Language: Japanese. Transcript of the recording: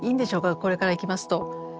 これからいきますと。